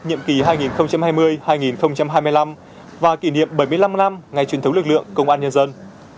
nhiệm kỳ hai nghìn hai mươi hai nghìn hai mươi năm và kỷ niệm bảy mươi năm năm ngày truyền thống lực lượng công an nhân dân